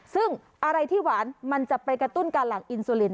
ซึ่งอะไรที่หวานมันจะไปกระตุ้นการหลังอินซูลิน